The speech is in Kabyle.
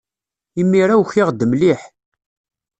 Imir-a ukiɣ-d mliḥ.